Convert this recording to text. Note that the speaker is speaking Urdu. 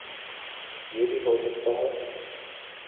یہ بھی ہوسکتا ہے